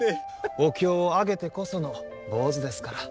お経をあげてこその坊主ですから。